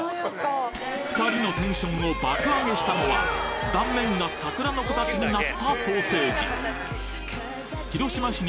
２人のテンションを爆上げしたのは断面が桜の形になったソーセージ広島市に本社をかまえる福留ハムさんの